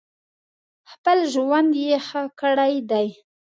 خپل ژوند یې ښه کړی دی.